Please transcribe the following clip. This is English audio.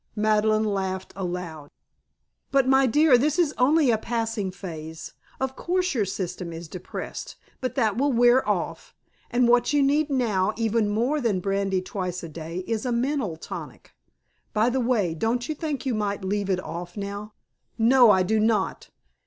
Madeleine laughed aloud. "But, my dear, this is only a passing phase. Of course your system is depressed but that will wear off, and what you need now, even more than brandy twice a day, is a mental tonic. By the way, don't you think you might leave it off now?" "No, I do not.